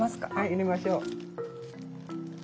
入れましょう。